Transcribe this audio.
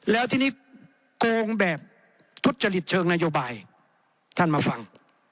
แล้วทีนี้โกงแบบทุจริตเชิงนโยบายท่านมาฟัง